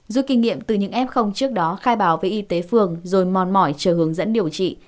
rút kinh nghiệm từ những f trước đó khai báo với y tế phường rồi mòn mỏi chờ hướng dẫn điều trị